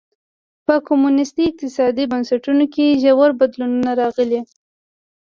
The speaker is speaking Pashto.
په کمونېستي اقتصادي بنسټونو کې ژور بدلونونه راغلي.